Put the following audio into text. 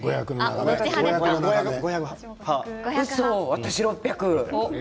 私６００。